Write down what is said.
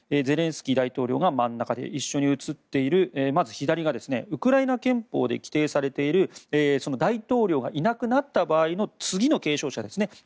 ゼレンスキー大統領が真ん中で一緒に写っている左がウクライナ憲法で規定されている大統領がいなくなった場合の次の継承者ですね。